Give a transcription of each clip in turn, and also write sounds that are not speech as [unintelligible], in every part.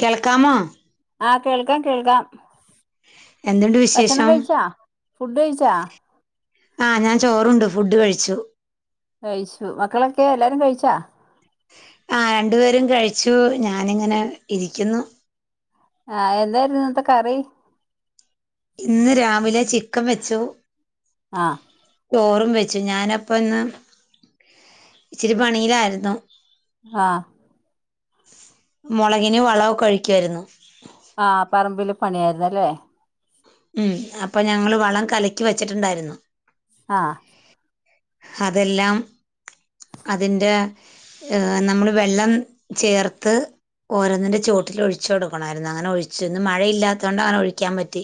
കേൾക്കാമോ ആഹ് കേൾക്കാം കേൾക്കാം, എന്തുണ്ട് ഭക്ഷണം വിശേഷം കഴിച്ചാ ഫുഡ് കഴിച്ചാ ആഹ് ഞാൻ ചോറുണ്ട് ഫുഡ്ഡ് കഴിച്ചു കഴിച്ചു മക്കളൊക്കെ എല്ലാരും കഴിച്ചാ ആഹ് രണ്ടു പേരും കഴിച്ചു. ഞാനിങ്ങനെ ഇരിക്കുന്നു. ആഹ് എന്തായിരുന്നു ഇന്നത്തെ കറി ഇന്ന് രാവിലെ ചിക്കൻ വെച്ചു ആഹ് ചോറും വെച്ചു ഞാനപ്പന്ന് ഇച്ചിരി പണിയിലായിരുന്നു ആഹ് മൊളകിന് വള ഒക്കെ കഴിക്ക്യായിരുന്നു ആഹ് പറമ്പില് പണിയായിരുന്നല്ലേ ഉം അപ്പൊ ഞങ്ങള് വളം കലക്കി വെച്ചിട്ടുണ്ടായിരുന്നു ആഹ് അതെല്ലാം അതിന്റെ ഏഹ് നമ്മള് വെല്ലം ചേർത്ത് ഓരോന്ന്ന്റെ ചോട്ടിലും ഒഴിച്ചു കൊടുക്കണായിരുന്നു. അങ്ങനെ ഒഴിച്ച്. ന്ന് മഴയില്ലാത്തത് കൊണ്ട് അങ്ങനെ ഒഴിക്കാൻ പറ്റി.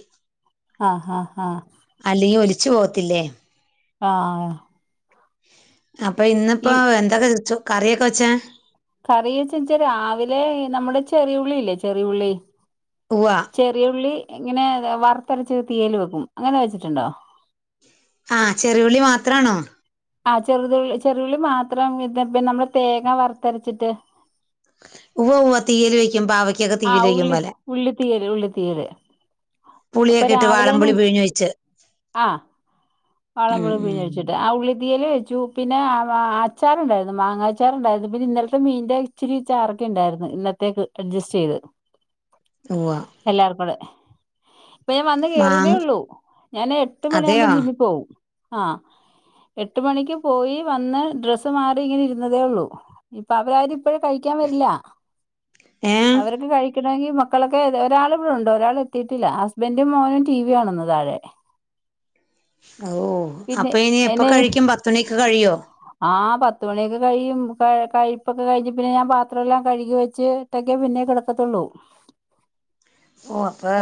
ആഹ് ഹാഹ് ഹാഹ് അല്ലെങ്കി ഒലിച്ച് പോവത്തില്ലേ ആഹ് അപ്പൊ ഈ ഇന്ന്പ്പോ എന്തൊക്കെ ചച്ചു കറിയൊക്കെ വെച്ചെ കറി വെച്ചെച്ചാ രാവിലെ നമ്മുടെ ചെറിയുള്ളില്ലേ ചെറിയുള്ളി. ഉവ്വ ചെറിയുള്ളി ഇങ്ങനെ വറുത്തരച്ച് തീയല് വെക്കും അങ്ങനെ വെച്ചിട്ടുണ്ടോ ആഹ് ചെറ്യുള്ളി മാത്രാണോ ആ ചെറുതു ചെറുള്ളി മാത്രം ഇ [unintelligible] നമ്മള് തേങ്ങ വറുത്തരച്ചിട്ട്. ഉവ്വ ഉവ്വ തീയൽ വെക്കും പാവയ്ക്കൊക്കെ തീയൽ ആഹ് വെക്കും ഉള്ളി പോലെ ഉള്ളി തീയല് ഉള്ളി തീയല് അപ്പൊ പുളിയൊക്കെ ഇട്ട് രാവിലേനു വാളംപുളി പിഴിഞ്ഞു വെച്ച് ആഹ് ഉം വാളൻമ്പുളി ഉം പിഞ്ഞൊഴിച്ചിട്ട് ആ ഉള്ളി വിയൽ വെച്ചു. പിന്നെ അച്ചാറുണ്ടായിരുന്നു. മാങ്ങാച്ചാർ ഇണ്ടായിരുന്നു. പിന്നെ ഇന്നലത്തെ മീന്റെ ച്ചിരി ച്ചാറൊക്കെ ഇണ്ടായിരുന്നു. ഇന്നത്തേക്ക് അഡ്ജസ്റ്റ് ചെയ്ത്. ഉവ്വ എല്ലാർ കൂടെ പ്പ ഞാൻ വന്ന് കേയറിയതേ മാങ് ഒള്ളൂ ഞാന് എട്ട് മണിയാവുമ്പോ അതെയോ ജിമ്മി പോവും ആ എട്ട് മണിക്ക് പോയി വന്ന് ഡ്രസ്സ് മാറി ഇങ്ങനെ ഇരുന്നതേ ഒള്ളൂ ഇപ്പൊ അവരാരു ഇപ്പഴേ കഴിക്കാൻ വരില്ല ഏ അവരൊക്കെ കഴി ക്കണങ്കി മക്കളൊക്കെ ഒരാള് ഇവിടെ ഉണ്ട് ഒരാള് എത്തീട്ടില്ല. ഹസ്ബെന്റും മോനും ടി വി കാണുന്നു താഴെ ഓ പിന്നെ അപ്പ ഇനി എപ്പ കഴിക്കും പത്ത് മണ്യാെക്കെകഴിയോ ആഹ് പത്തുമ മണിയൊക്കെ കഴിയും കഴിപ്പൊക്കെ കഴിഞ് പിന്നെ ഞാൻ പാത്ര എല്ലാം കഴുകി വെച്ച് ഒറ്റ ന്റെ മുന്നേ കെടക്കത്തൊള്ളൂ ഓ അപ്പൊ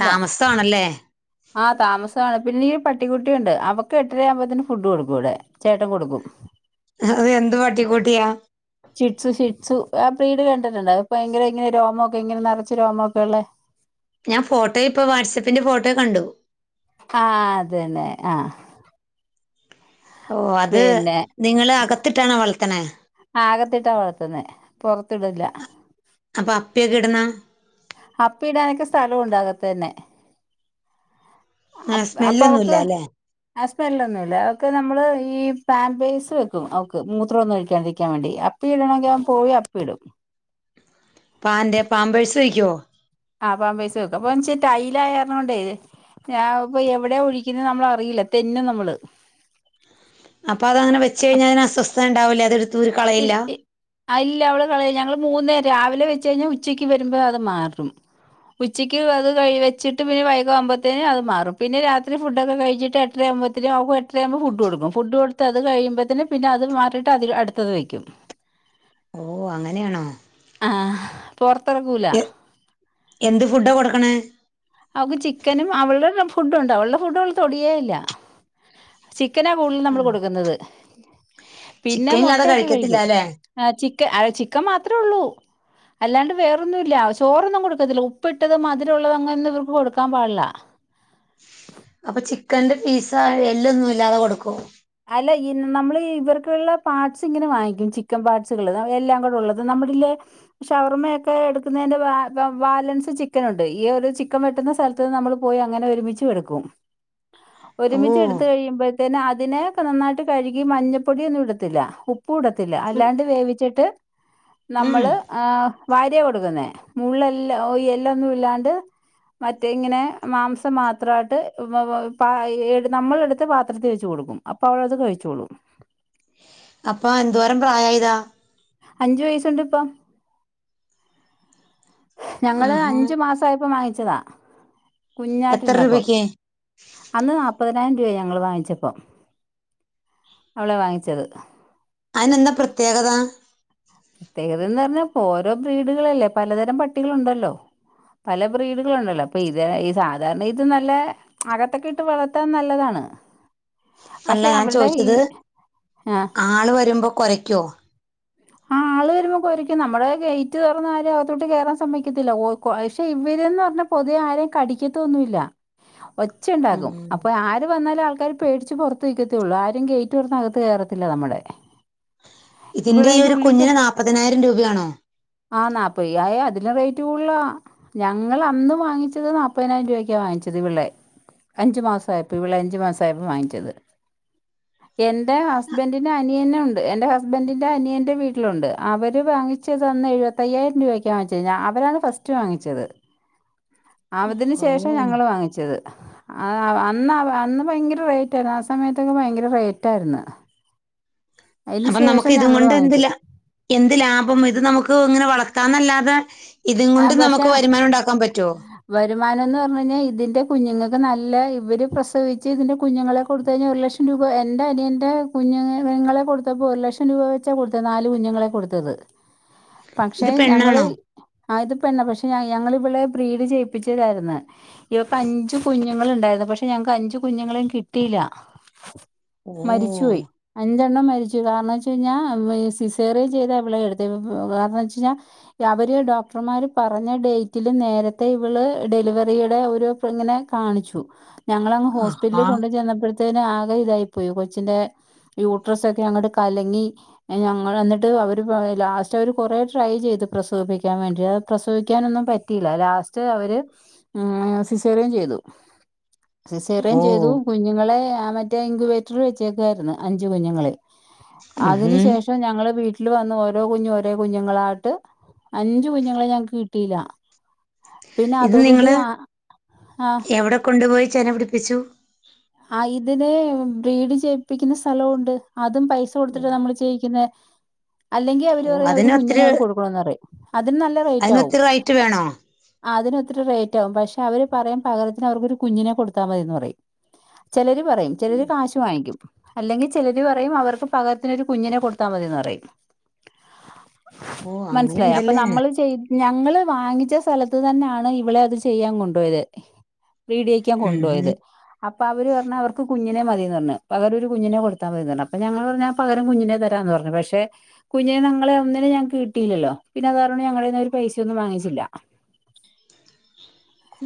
താമസാണ്ല്ലേ ആഹ് താമസാണ്. പിന്നി ഈ പട്ടിക്കുട്ടി ഉണ്ട് അവെക്ക് എട്ടരയാവുമ്പോത്തിനു ഫുഡ് കൊടുക്കും ഇവിടെ ചേട്ടൻ കൊടുക്കും അത് എന്ത് പട്ടിക്കൂട്ടിയാ ഷിസ് ഷിട്സ് ആ പി ഡ്യ കണ്ടിട്ട്ണ്ട് അ ഇപ്പ ഭയങ്കര ഇങ്ങനെ രോമോ ഒക്കെ ഇങ്ങനെ നറച്ച് രോമോ ഒക്കെ ഉള്ളെ ഞാൻ ഫോട്ടോ ഇപ്പോ വാട്സപ്പിന്റെ ഫോട്ടോ കണ്ടു ആഹ് അതന്നെ ആഹ് ഓ അത് പിന്നെ നിങ്ങള് അകത്തിട്ടാണോ വളർത്തണേ ആഹ് അകത്തിട്ടാ വളർത്തുന്നെ പുറത്ത് ഇടില്ല അപ്പൊ അപ്പിയൊക്കെ ഇടുന്നാ അപ്പിടാനൊക്കെ സ്ഥലം ഉണ്ട് അകത്ത് തന്നെ അ സ്മെല്ലൊന്നുമില്ല അപ്പവക്ക് അല്ലേ ആഹ് സ്മെല്ലൊന്നുമില്ല അതൊക്കെ നമ്മള് ഈ പാമ്പേഴ്സ് വെക്കും അവക്ക് മൂത്രമൊന്നും ഒഴിക്കാണ്ടിരിക്കാൻ വേണ്ടി പ്പിടണങ്കി അവൻ പോയി അപ്പി ഇടും. പാൻ്റെ പാമ്പഴ്സ് വെക്കയൊ ആഹ് പാമ്പേഴ്സ് വെക്കും, അപ്പൊന്തച്ച ടൈൽ ആയതോണ്ട് ഞാൻ ഇപ്പ എവിടെയാ ഒഴിക്കുന്നത് നമ്മള അറിയില്ല തെന്നും നമ്മള് അപ്പോ അതങ്ങനെ വെച്ച് കഴിഞ്ഞാ അയിന് അസ്വസ്ഥത ഉണ്ടാവില്ല അത ഇൽട്ടി അ ഇല്ല അവള് കളയ ഞങ്ങള് മൂന്നേരം രാവിലെ വെച്ച് കഴിഞ്ഞാൽ ഉച്ചക്ക് വരുമ്പോ അത് മാറും ഉച്ചയ്ക്ക് അത് വെച്ചിട്ട് പിന്ന വൈകി ആകുമ്പോഴേത്തിന് അത് മാറും പിന്നെ രാത്രി ഫുഡൊക്കെ കഴിച്ചിട്ട് എട്ടരയാവുമ്പോത്തിന് അവക്ക് എട്ടരയാവുമ്പോൾ ഫുഡ് കൊടുക്കും ഫുഡ് കൊടുത്ത് അത് കഴിയുമ്പത്തിന് പിന്നെ അത് മാറിയിട്ട് അടുത്ത ത്തത് വയ്ക്കും ഓ അങ്ങനെയാണോ ആഹ് പുറത്തിറക്കൂല എ- എന്ത് ഫുഡാണ് കൊടുക്കണെ അവൾക്ക് ചിക്കനും അവളുടെ ഫുഡുണ്ട് അവളുടെ ഫുഡ് അവള് തൊടിയേയില്ല. ചിക്കനാ കൂടുതൽ നമ്മൾ കൊടുക്കുന്നത്, പിന്നെ ചിക്കൻ ഇല്ലാതെ മുട്ടയൊക്കെ കഴിക്കത്തില്ല കഴിക്കും. അല്ലേ ആഹ് ചിക്ക ചിക്കൻ മാത്രേ ഉള്ളൂ അല്ലാണ്ട് വേറൊന്നും ഇല്ല ചോറൊന്നും കൊടുക്കത്തില്ല ഉപ്പിട്ടത് മധുമുള്ളള്ളത് അങ്ങനൊന്നും ഇവ കൊടുക്കാൻ പാടില്ല അപ്പൊ ചിക്കന്റെ പീസ എല്ലൊന്നും ഇല്ലാതെ കൊടുക്കുവോ അല്ല ഇന്ന നമ്മള് ഇവർക്കുള്ള പാട്സ് ഇങ്ങനെ വാങ്ങിക്കും ചിക്കൻ പാട്സുകള് എല്ലാം കൂടെ ഉള്ളത് നമ്മളില്ലേ ഷവർമയൊക്കെ എടുക്കുന്നതിന്റെ ബാലൻസ് ചിക്കൻ ഉണ്ട് ഈ ഒരു ചിക്കൻ വെട്ടുന്ന സ്ഥലത്ത് ത്ത് നമ്മൾ പോയി അങ്ങനെ ഒരുമിച്ചും എടുക്കും ഓ ഒരുമിച്ച് എടുത്ത് കഴിയുമ്പോഴത്തേന് അതിനെ നന്നായിട്ട് കഴുകി മഞ്ഞപ്പൊടി ഒന്നും ഇടുത്തില്ല ഉപ്പും ഇടത്തില്ല ഉം, അല്ലാണ്ട് വേവിച്ചിട്ട് ഉം നമ്മള് ആഹ് വാരിയ കൊടുക്കുന്നേ മുള്ളെല്ലാം എല്ലൊന്നും ഇല്ലാണ്ട് മറ്റെങ്ങനെ മാംസം മാത്രമായിട്ട് നമ്മളെടുത്ത് പാത്രത്തിൽ വെച്ച് കൊടുക്കും. അപ്പോൾ അവളത് കഴിച്ചോളും അപ്പൊ എന്തോരം പ്രായായതാ അഞ്ചു വയസ്സുണ്ട് ഇപ്പൊ ഞങ്ങള് ആഹാ. അഞ്ചു മാസായപ്പം വാങ്ങിച്ചതാ എത്ര കുഞ്ഞായിട്ടിരുന്നപ്പം രൂപയ്ക്ക് അന്ന് നാല്പ്പതിനായിരം രൂപയായി ഞങ്ങള് വാങ്ങിച്ചപ്പോ അവളെ വാങ്ങിച്ചത് അയ്നെന്താ പ്രത്യേകത പ്രത്യേകതേന്ന് പറഞ്ഞാ ഓരോ ബ്രീടുകളല്ലേ പലതരം പട്ടികളുണ്ടല്ലോ പല ബ്രീഡുകളുണ്ടല്ലോ അപ്പൊ ഇത് സാധാരണ ഇത് നല്ല അകത്തൊക്കെ ഇട്ട് വളർത്താൻ നല്ലതാണ് പക്ഷെ അല്ല ഞാൻ അവരുടെ ഈ ചോദിച്ചത് ആ ആള് വരുമ്പോ കുരയ്ക്കുവോ ആഹ് ആള് വരുമ്പോൾ കൊരയ്ക്കും നമ്മുടെ ഗേറ്റ് തുറന്ന് ആരേം അകത്തോട്ട് കേറാൻ സമ്മതിക്കത്തില്ല പക്ഷെ ഇവര്ന്ന് പറഞ്ഞാ പൊതുവേ ആരെയും കടിക്കത്തൊന്നുമില്ല ഒച്ച ഉം. ഉണ്ടാക്കും അപ്പൊ ആര് വന്നാലും ആൾക്കാര് പേടിച്ച് പുറത്ത് നിൽക്കത്തെയുള്ളൂ ആരും ഗേറ്റ് തുറന്ന് അകത്ത് കയറത്തില്ല നമ്മുടെ ഇവിടെ ഇതിന്റെ ഈ അതിന്റെ ഒരു കുഞ്ഞിന് നാല്പ്പതിനായിരം രൂപയാണോ ആഹ് നാപ്പയ്യായിരം അതിന് റേറ്റ് കൂടുതലാ ഞങ്ങൾ അന്ന് വാങ്ങിച്ചത് നാൽപ്പതിനായിരം രൂപയ്ക്കാ വാങ്ങിച്ചത് ഇവളെ അഞ്ചു മാസമായപ്പോൾ ഇവിടെ അഞ്ചു മാസമായപ്പോം വാങ്ങിച്ചത് എന്റെ ഹസ്ബന്റിന്റെ അനിയനുണ്ട് എന്റെ ഹസ്ബന്റിന്റെ അനിയ ന്റെ വീട്ടിലുണ്ട് അവര് വാങ്ങിച്ചത് അന്ന് എഴുപത്തയ്യായിരം രൂപക്കാ വാങ്ങിച്ചെ അവരാണ് ഫസ്റ്റ് വാങ്ങിച്ചത് അതിന് ഓ ശേഷം ഞങ്ങൾ വാങ്ങിച്ചത് അ അന്ന് അന്ന് ഭയങ്കര റേറ്റ് ആയിരുന്നു ആഹ് സമയത്തൊക്കെ ഭയങ്കര റേറ്റ് ആയിരുന്നു അതിന് അപ്പൊ നമുക്ക് ശേഷം ഇതും ഞങ്ങള് കൊണ്ട് എന്ത് വാങ്ങിച്ചേ എന്ത് ലാഭം ഇത് നമുക്ക് ഇങ്ങനെ വളർത്താന്നല്ലാതെ ഇതും ആ കൊണ്ട് നമുക്ക് പക്ഷെ വരുമാനം ഉണ്ടാക്കാൻ പറ്റുവോ വരുമാനം എന്ന് പറഞ്ഞ് കഴിഞ്ഞാ ഇതിന്റെ കുഞ്ഞുങ്ങൾക്ക് നല്ല ഇവര് പ്രസവിച്ച് ഇതിന്റെ കുഞ്ഞുങ്ങളെ കൊടുത്തു കഴിഞ്ഞാൽ ഒരു ലക്ഷം രൂപ എൻ്റെ അനിയൻ്റെ കുഞ്ഞുങ്ങളെ കൊടുത്തപ്പോൾ ഒരു ലക്ഷം രൂപ വെച്ചാണ് കൊടുത്തത് നാല് കുഞ്ഞുങ്ങളെ കൊടുത്തത് പക്ഷേ ഇത് ഞങ്ങള് പെണ്ണാണോ ആഹ് ഇതിപ്പന്നെ പക്ഷെ ഞ ഞങ്ങളിവളെ ബ്രീഡ് ചെയ്യിപ്പിച്ചതായിരുന്നു ഇവക്ക് അഞ്ചു കുഞ്ഞുങ്ങളുണ്ടായിരുന്നു പക്ഷെ ഞങ്ങക്ക് അഞ്ചു കുഞ്ഞുങ്ങളെയും കിട്ടിയില്ല മരിച്ചുപോയി അഞ്ചെണ്ണം മരിച്ചു കാരണം വെച്ച് കഴിഞ്ഞാൽ ഈ സിസേറിയൻ ചെയ്താ അവളെ എടുത്തെ കാരണം വെച്ച് കഴിഞ്ഞാൽ അവര് ഡോ ഡോക്ടർമാര് പറഞ്ഞ ഡേറ്റില് നേരത്തെ ഇവള് ഡെലിവറിയുടെ ഒരുദിവസം ഇങ്ങനെ കാണിച്ചു ഞങ്ങളങ്ങ ആഹാ ഹോസ്പിറ്റലിൽ കൊണ്ട് ചെന്നപ്പോഴത്തേന് ആകെ ഇതായി പോയി കൊച്ചിന്റെ യൂട്രസ്സ് ഒക്കെ അങ്ങോട്ട് കലങ്ങി ഞങ്ങൾ വന്നിട്ട് അവര് ലാസ്റ്റ് അവര് കൊറെ ട്രൈ ചെയ്ത് പ്രസവിപ്പിക്കാൻ വേണ്ടി അത് പ്രസവിക്കാനൊന്നും പറ്റിയില്ല ലാസ്റ്റ് അവര് സിസേറിയൻ ചെയ്തു സിസേറിയൻ ഓ ചെയ്തു കുഞ്ഞുങ്ങളെ മറ്റേ ഇൻങ്കുവേറ്റർ വെച്ചേക്കുവായിരുന്നു അഞ്ചു കുഞ്ഞുങ്ങളേം അതിന് ഉം ശേഷം പക്ഷെ ഞങ്ങള് വീട്ടിൽ വന്ന് ഓരോ കുഞ്ഞും ഓരോ കുഞ്ഞുങ്ങളായിട്ട് അഞ്ച് അഞ്ചു കുഞ്ഞുങ്ങളെയും ഞങ്ങക്ക് കിട്ടിയില്ല പിന്നെ ഇത് അതോടുകൂടി നിങ്ങള് ആഹ് എവിടെ കൊണ്ടുപോയി ചെന പിടിപ്പിച്ചു ആഹ് ഇതിനെ ബ്രീഡ് ചെയ്യിപ്പിക്കുന്ന സ്ഥലവുണ്ട് അതും പൈസ കൊടുത്തിട്ട് നമ്മള് ചെയ്യിക്കുന്ന അല്ലെങ്കിൽ അവര് ഓ അവ അതിന് ഒരു കുഞ്ഞിനെ ഒത്തിരി അവർക്ക് കൊടുക്കണംന്ന് പറയും അതിന് നല്ല റേറ്റ് ആവും അതിനൊത്തിരി റൈറ്റ് വേണോ അതിനൊത്തിരി റേറ്റ് ആകും പക്ഷെ അവര് പറയും പകരത്തിന് അവർക്കൊരു കുഞ്ഞിനെ കൊടുത്താൽ മതിയെന്ന് പറയും ചിലര് പറയും ചിലർ കാശ് വാങ്ങിക്കും അല്ലെങ്കിൽ ചിലര് പറയും അവർക്ക് പകരത്തിനൊരു കുഞ്ഞിനെ കൊടുത്താ മതിന്ന് പറയും ഓ മനസ്സിലായ അപ്പൊ അങ്ങനെണ്ടല്ലേ നമ്മള് ചെയ് ഞങ്ങള് വാങ്ങിച്ച സ്ഥലത്ത് തന്നെയാണ് ഇവളെ അത് ചെയ്യാൻ കൊണ്ടുപോയത് പീടിക്കാൻ കൊണ്ടുപോയത് ഉം അപ്പൊ അവര് പറഞ്ഞ് അവർക്ക് കുഞ്ഞിനെ മതിന്ന് പറഞ്ഞു പകരം ഒരു കുഞ്ഞിനെ കൊടുത്താ മതിന്ന് പറഞ്ഞു അപ്പൊ ഞങ്ങള് പറഞ്ഞ പകരം കുഞ്ഞിനെ തരാന്ന് പറഞ്ഞു പക്ഷെ കുഞ്ഞിനെഞങ്ങളെ ഒന്നിനേ ഞങ്ങക്ക് കിട്ടില്ലല്ലോ പിന്നെതാരണം ഞങ്ങളേന്ന് അവര് പൈസ ഒന്നും വാങ്ങിച്ചില്ല [inaudible]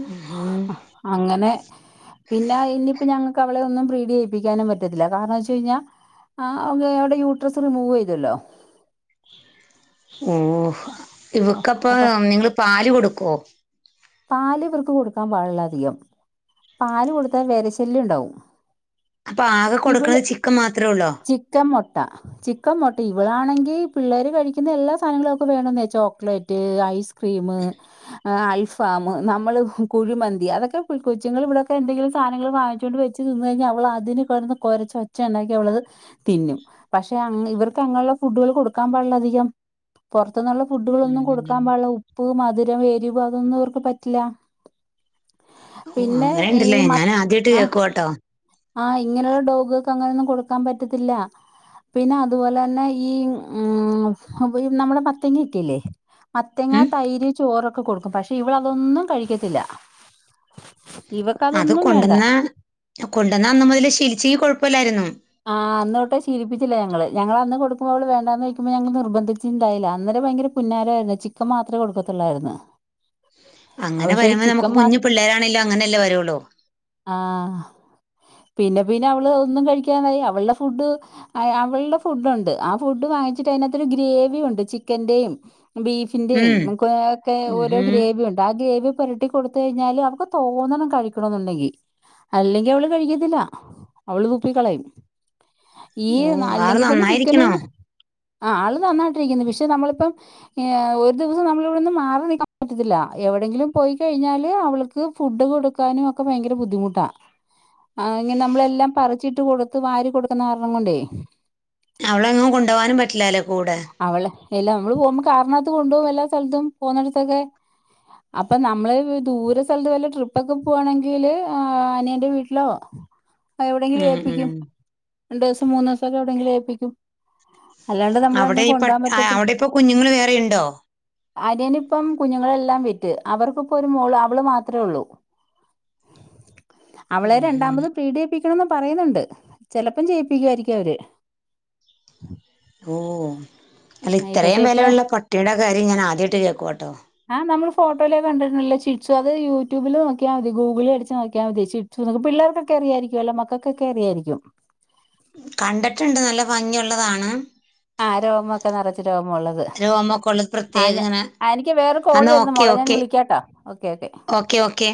ഉം ഹും അങ്ങനെ പിന്നെ ഇനിയിപ്പം ഞങ്ങക്ക് അവള ഒന്നും പ്രീഡിചെയ്യിപ്പിക്കാനും പറ്റത്തില്ല കാരണംന്ന് വെച്ച് കഴിഞ്ഞാ ആഹ് അവിടെ യൂട്രസ് റിമൂവ് ചെയ്തല്ലോ ഓഹ് ഇവക്കപ്പ അപ്പൊ നിങ്ങള് പാല് കൊടുക്കുവോ പാല് ഇവർക്ക് കൊടുക്കാൻ പാടില്ല അധികം പാല് കൊടുത്താൽ വിരശല്യം ഉണ്ടാവും അപ്പൊ ആകെ ഇവള് കൊടുക്കുന്നത് ചിക്കൻ മാത്രേ ഉള്ളോ ചിക്കൻ മുട്ട ചിക്കൻ മൊട്ട ഇവളാണെങ്കി പിള്ളേര് കഴിക്കുന്ന എല്ലാ സാധനങ്ങളും അവക്ക് വേണവെന്നായി ചോക്ലേറ്റ് ഐസ് ക്രീമ് അൽഫാമ് നമ്മള് കുഴിമന്തി അതൊക്കെ കൊച്ചുങ്ങൾ ഇവിടെൊക്കെ എന്തെങ്കിലും സാധനങ്ങൾ വാങ്ങിച്ചൊണ്ട് വെച് ച്ച് തിന്ന് കഴിഞ്ഞാൽ അവൾ അതിന് കെടന്ന് കൊരച്ച് ഒച്ച ഉണ്ടാക്കി അവളത് തിന്നും പക്ഷെ അങ്ങ് ഇവർക്ക് അങ്ങനെയുള്ള ഫുഡുകൾ കൊടുക്കാൻ പാടില്ലധികം പുറത്തുന്നുള്ള ഫുഡുകളൊന്നും കൊടുക്കാൻപാള്ളൂ ഉപ്പ് മധുരം എരിവ് അതൊന്നും ഇവർക്ക് പറ്റില്ല ഓ പിന്നെ ഈ അങ്ങനെണ്ടല്ലേ മത് ഞാൻ ആദ്യായിട്ട് ആഹ് കേക്കുവാട്ടോ ആഹ് ഇങ്ങനെയുള്ള ഡോഗുകൾക്ക് അങ്ങനെയൊന്നും കൊടുക്കാൻ പറ്റത്തില്ല പിന്നെ അതുപോലെ തന്നെ ഈ ഉം നമ്മടെ മത്തങ്ങക്കയില്ലേ മത്തങ്ങ ഉം തൈര് ചോറൊക്കെ കൊടുക്കും പഷ് ഇവളതൊന്നും കഴിക്കത്തില്ല അത് ഇവക്കതൊന്നും വേണ്ട കൊണ്ടുവന്ന കൊണ്ടുവന്ന അന്ന് മുതല് ശീലിച്ചങ്കി കൊഴപ്പല്ലായിരുന്നു ആഹ് അന്ന് തൊട്ടെ ശീലിപ്പിച്ചില്ല ഞങ്ങള് ഞങ്ങളന്ന് കൊടുക്കുമ്പോ അവൾ വേണ്ടാന്ന് വെക്കുമ്പോ ഞങ്ങള് നിർബന്ധിച്ചിണ്ടായില്ല അന്നേരം ഭയങ്കര പുന്നാരായിരുന്നു ചിക്കൻ മാത്രേ കൊടുക്കൊത്തൊള്ളായിരുന്ന് അങ്ങനെ വരുമ്പോ നമുക്ക് മാ കുഞ്ഞി പിള്ളേരാണേലും അങ്ങനെയല്ലേ വരുള്ളൂ ആഹ് പിന്നെ പിന്നെ അവള് ഒന്നും കഴിക്കാതായി അവളുടെ ഫുഡ് അവളുടെ ഫുഡുണ്ട് ആ ഫുഡ് വാങ്ങിച്ചിട്ട് അതിനകത്തൊരു ഗ്രേവി ഉണ്ട് ചിക്കന്റെയും ബീഫ് ന്റെയും ഉം നമുക്ക് ഒക്കെ ഓരോ ഉം ഗ്രേവിയുണ്ട് ആ ഗ്രേവി പുരട്ടി കൊടുത്ത് കഴിഞ്ഞാലും അവക്ക് തോന്നണം കഴിക്കണംന്നുണ്ടെങ്കിൽ അല്ലെങ്കി അവള് കഴിക്കത്തില്ല അവള് തുപ്പിക്കളയും ഈ ഓ ആള് അല്ലെങ്കിൽ തന്നെ നന്നായിരിക്കണോ ചിക്കനും ആഹ് ആള് നന്നായിട്ടിരിക്കുന്നു പക്ഷെ നമ്മളിപ്പം ഏഹ് ഒരു ദിവസം നമ്മളിവിടുന്ന് മാറി നിൽക്കാൻ പറ്റത്തില്ല എവിടെങ്കിലും പോയി കഴിഞ്ഞാല് അവൾക് ക്ക്‌ ഫുഡ് കൊടുക്കാനും ഒക്കെ ഭയങ്കര ബുദ്ധിമുട്ടാ ആഹ് ഇങ്ങനെ നമ്മളെല്ലാം പറ ചിട്ട് കൊടുത്ത് വാരി കൊടുക്കുന്ന കാരണം കൊണ്ടേ അവളങ്ങും കൊണ്ട് പോവാനും പറ്റില്ലല്ലേ കൂടെ അവളെ എല്ലാം നമ്മള് പോകുമ്പോ കാറിനകത്ത് കൊണ്ട് പോകും എല്ലാ സ്ഥലത്തും പോന്നടത്തൊക്കെ അപ്പൊ നമ്മള് ദൂര സ്ഥലത്ത് വല്ല ട്രിപ്പൊക്കെ പോകാണെങ്കില് അനിയന്റെ വീട്ടിലോ എവിടെങ്കിലും ഉം ഉം രണ്ട് ദിവസം മൂന്ന് ദിവസൊക്കെ എവിടെങ്കിലും ഏപ്പിക്കും. അല്ലാണ്ട് അവിടെ നമ്മളെങ്ങും ഈ പട്ട കൊണ്ടോവാൻ ആ, പറ്റത്തില്ല. അവിടെ ഇപ്പൊ കുഞ്ഞുങ്ങൾ വേറെ ഉണ്ടോ അനിയനിപ്പം കുഞ്ഞുങ്ങളെല്ലാം വിറ്റ്. അവർക്കിപ്പൊ ഒരു മോള് അവള് മാത്രേ ഉള്ളൂ [inaudible] അവളെ ഉം ഉം. രണ്ടാമത് പീഡിചെയ്യിപ്പിക്കണംന്ന് പറയുന്നുണ്ട്. ചെലപ്പം ചെയ്യിപ്പിക്കുവായിരിക്കും അവര്. ഓ അല്ല ഇത്രയും പക്ഷെ ഇപ്പ വിലയുള്ള പട്ടിയുടെ കാര്യം ഞാൻ ആദ്യായിട്ട് കേക്കുവാട്ടോ. ആഹ് നമ്മൾ ഫോട്ടോയിലൊക്കെ കണ്ടിട്ടുണ്ടല്ലോ ചിരിച്ചു അത് യൂട്യൂബിൽ നോക്കിയാ മതി ഗൂഗിളിൽ അടിച്ച് നോക്കിയാ മതി ചിര് ച്ചു നൊക്കെ പിള്ളേർക്കൊക്കെ അറിയായിരിക്കുഅല്ലോ മക്കൾക്കൊക്കെ അറിയായിരിക്കും കണ്ടിട്ടുണ്ട് നല്ല ഭംഗിയുള്ളതാണ്. ആ രോമൊക്കെ നറച്ച് രോമ ഉള്ളത് രോമൊക്കെ ഉള്ളത് ആഹ് പ്രത്യേകം ഞ ഇങ്ങനെ ആഹ് എനിക്ക് വേറെ കോള് എന്നാ വരുന്നു മോളെ ഞാൻ വിളിക്കാട്ടോ ഓക്കെ ഓക്കേ. ക്കെ ഓക്കെ